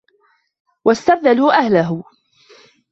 وَاسْتَرْذَلُوا أَهْلَهُ